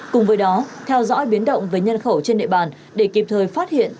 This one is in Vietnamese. cùng với đó theo dõi biến động về nhân khẩu trên địa bàn để kịp thời phát hiện